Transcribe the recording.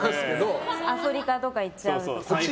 アフリカとか行っちゃうんですけど。